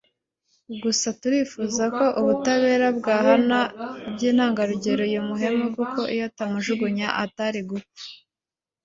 gusa turifuza ko ubutabera bwahana by’intangarugero uyu muhemu kuko iyo atamuhajugunya atari gupfa”